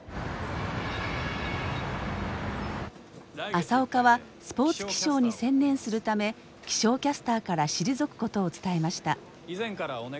朝岡はスポーツ気象に専念するため気象キャスターから退くことを伝えました。